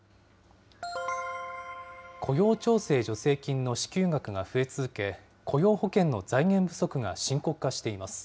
雇用調整助成金の支給額が増え続け、雇用保険の財源不足が深刻化しています。